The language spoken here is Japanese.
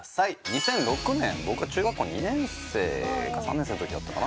２００６年僕が中学校２年生か３年生の時だったかな。